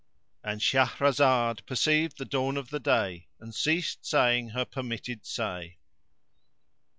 "—And Shahrazad perceived the dawn of day, and ceased saying her permitted say.